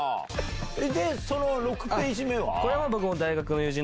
で６ページ目は？